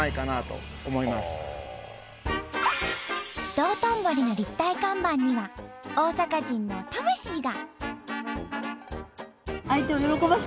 道頓堀の立体看板には大阪人の魂が。